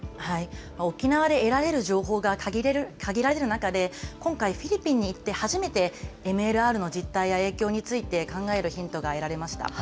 沖縄で得られる情報が限られる中で、今回フィリピンに行って初めて、ＭＬＲの実態や影響について考えるヒントが得られました。